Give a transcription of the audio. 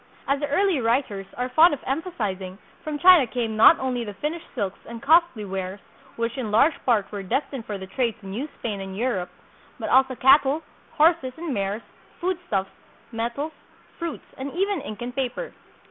As the early writers are fond of emphasizing, from China came not only the finished silks and costly wares, which in large part were destined for the trade to New Spain and Europe, but also cattle, horses and mares, foodstuffs, metals, fruits, and even ink and paper.